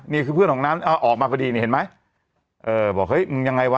นี่คือเพื่อนของน้ำเอาออกมาพอดีนี่เห็นไหมเออบอกเฮ้ยมึงยังไงวะ